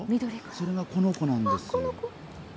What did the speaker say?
それがこの子なんですよ。